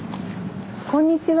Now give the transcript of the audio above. こんにちは。